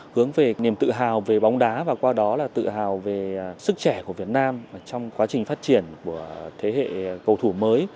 hướng về niềm tự hào về bóng đá và qua đó là tự hào về sức trẻ của việt nam trong quá trình phát triển của thế hệ cầu thủ mới